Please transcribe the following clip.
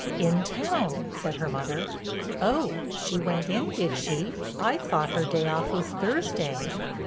"In town," said her mother. "Oh—she went in, did she? I thought her day off was Thursday."